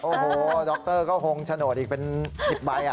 โอ้โหดร็อกเตอร์ก็คงโฉนดอีกเป็น๑๐บาท